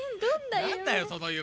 なんだよその夢。